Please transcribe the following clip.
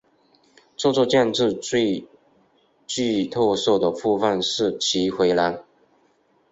这座建筑最具特色的部分是其回廊。